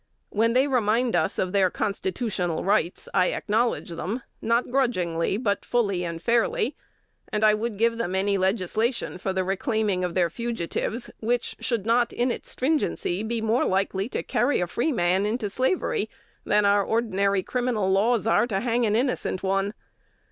When they remind us of their constitutional rights, I acknowledge them, not grudgingly, but fully and fairly; _and I would give them any legislation for the reclaiming of their fugitives which should not in its stringency be more likely to carry a free man into slavery than our ordinary criminal laws are to hang an innocent one_.